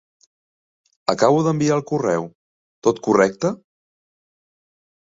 Acabo d'enviar el correu, tot correcte?